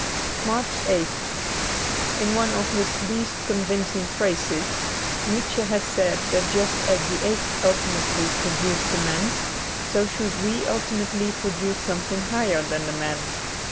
^ 73 MARCH 8th IN one of his least convincing phrases, Nietzsche had said that just as the ape ultimately pro duced the man, so should we ultimately produce something higher than the man.